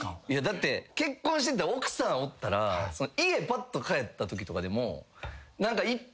だって結婚してて奥さんおったら家ぱっと帰ったときとかでも。